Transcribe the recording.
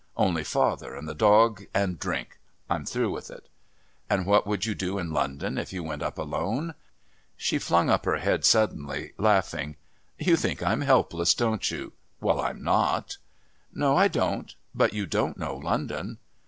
Only father and the 'Dog,' and drink. I'm through with it." "And what would you do in London if you went up alone?" She flung up her head suddenly, laughing. "You think I'm helpless, don't you? Well, I'm not." "No, I don't but you don't know London."